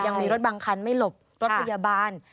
ยังมีรถบางคันไม่หลบรถพยาบาล